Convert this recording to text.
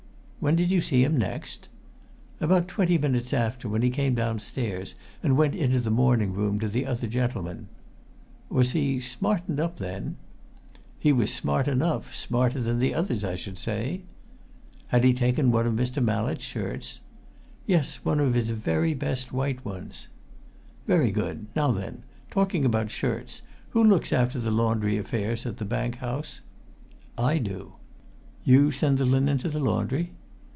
"When did you see him next?" "About twenty minutes after, when he came downstairs and went into the morning room to the other gentlemen." "Was he smartened up then?" "He was smart enough smarter than the others, I should say." "Had he taken one of Mr. Mallett's shirts?" "Yes, one of his very best white ones." "Very good. Now then, talking about shirts, who looks after the laundry affairs at the Bank House?" "I do." "You send the linen to the laundry?"